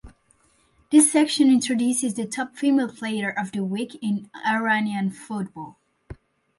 This section introduces the top female player of the week in Iranian football.